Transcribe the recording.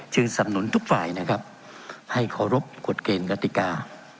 จึงสำนุนทุกฝ่ายนะครับให้ขอรบกฎเกณฑ์ราธิกา